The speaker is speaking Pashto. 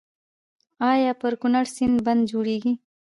آیا پر کنړ سیند بند جوړیږي؟